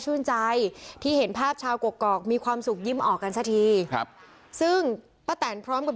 ใจที่เห็นภาพชาวกกอกมีความสุขยิ้มออกกันสักทีครับซึ่งป้าแตนพร้อมกับ